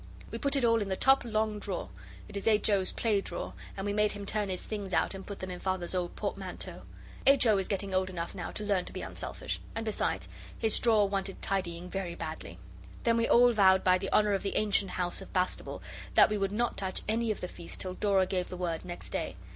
We put it all in the top long drawer. It is H. O.'s play drawer, and we made him turn his things out and put them in Father's old portmanteau. H. O. is getting old enough now to learn to be unselfish, and besides, his drawer wanted tidying very badly. Then we all vowed by the honour of the ancient House of Bastable that we would not touch any of the feast till Dora gave the word next day.